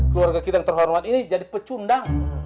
keluarga kita yang terhormat ini jadi pecundang